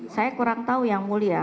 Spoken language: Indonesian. saya kurang tahu yang mulia